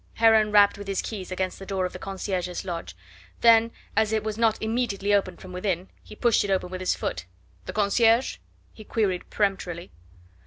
Heron rapped with his keys against the door of the concierge's lodge, then, as it was not immediately opened from within, he pushed it open with his foot. "The concierge?" he queried peremptorily.